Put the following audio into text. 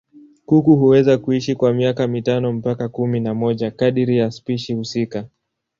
Kuku huweza kuishi kwa miaka mitano mpaka kumi na moja kadiri ya spishi husika.